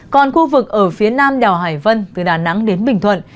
còn khu vực ở phía nam đèo hải vân từ đà nẵng đến bình thuận